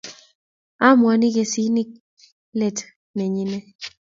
amuani kesinik let nenyine